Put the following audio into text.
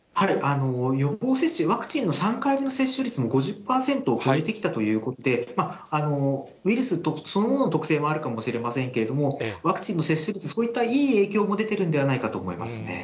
予防接種、ワクチンの３回目の接種率も５０％を超えてきたということで、ウイルスそのものの特性もあるかもしれませんけれども、ワクチンの接種率、そういったいい影響も出てるんではないかと思いますね。